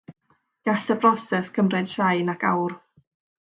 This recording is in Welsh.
Gall y broses gymryd llai nag awr.